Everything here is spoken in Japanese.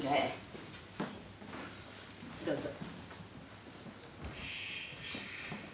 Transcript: どうぞ。